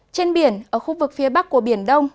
trên biển ở khu vực phía bắc của biển đông